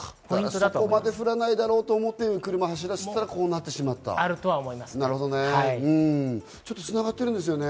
そこまで降らないだろうと思って車を走らせたらこうなったんですね。